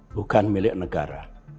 bukan milik negara